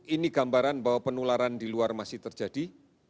ini gambaran bahwa penularan di luar masih terjadi